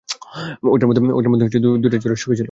ঐটার মধ্যে দুইটা চোরের ছবি ছিল।